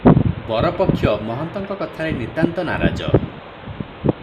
ବରପକ୍ଷ ମହନ୍ତଙ୍କ କଥାରେ ନିତାନ୍ତ ନାରାଜ ।